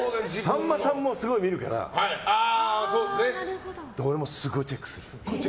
さんまさんもすごい見るから俺もすごいチェックする。